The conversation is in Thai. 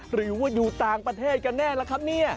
หรือว่าอยู่ต่างประเทศกันแน่ล่ะครับเนี่ย